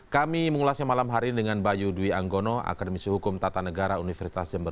kami mengulasnya malam hari ini dengan bayu dwi anggono akademisi hukum tata negara universitas jember